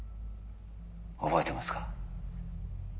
覚えてますか？